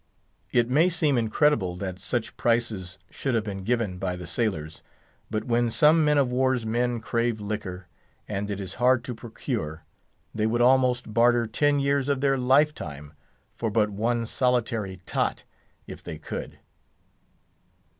It may seem incredible that such prices should have been given by the sailors; but when some man of war's men crave liquor, and it is hard to procure, they would almost barter ten years of their life time for but one solitary "tot" if they could.